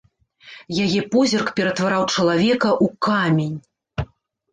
Яе позірк ператвараў чалавека ў камень.